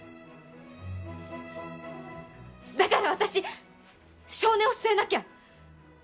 だから、私、性根を据えなきゃ！